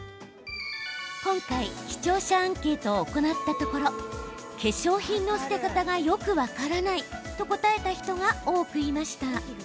今回、視聴者アンケートを行ったところ化粧品の捨て方がよく分からないと答えた人が、多くいました。